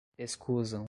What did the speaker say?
escusam